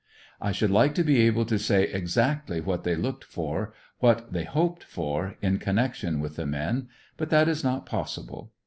I should like to be able to say exactly what they looked for, what they hoped for, in connection with the men; but that is not possible.